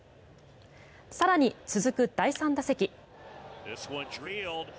更に、続く第３打席。